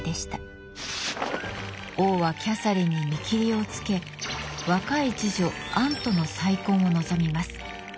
王はキャサリンに見切りをつけ若い侍女アンとの再婚を望みます。